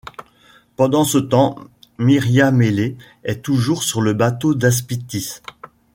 Pendant ce temps, Miriamélé est toujours sur le bateau d'Aspitis.